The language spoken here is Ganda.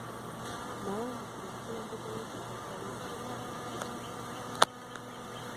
Nawandiikira omukulembeze w'ekyalo ebbaluwa naye ssaafuna kuddibwamu.